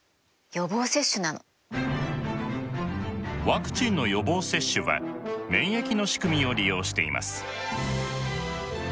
ワクチンの予防接種は免疫の仕組みを利用しています。